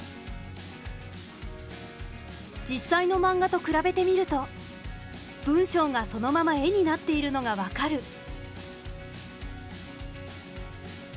実際のマンガと比べてみると文章がそのまま絵になっているのが分かる。